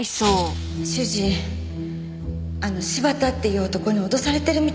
主人あの柴田っていう男に脅されてるみたいなの。